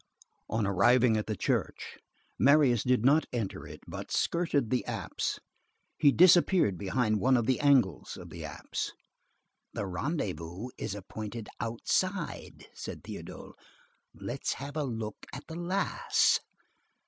On arriving at the church, Marius did not enter it, but skirted the apse. He disappeared behind one of the angles of the apse. "The rendezvous is appointed outside," said Théodule. "Let's have a look at the lass."